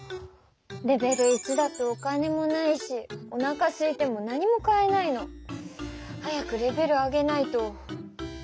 レベル１だとお金もないしおなかすいても何も買えないの。早くレベル上げないと。